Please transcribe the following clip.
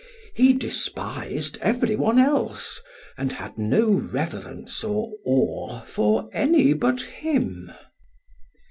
He despised every one else, and had no reverence or awe for any but him."